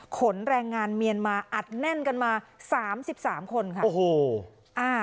ขนแรงงานเมียนมาอัดแน่นกันมา๓๓คนค่ะ